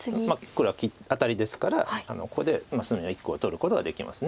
黒はアタリですからここで隅の１個を取ることができます。